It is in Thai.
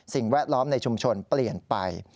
แวดล้อมในชุมชนเปลี่ยนไป